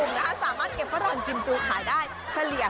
กินค่าสามารถเก็บฟัรั่งกิมจุขายได้เฉลี่ย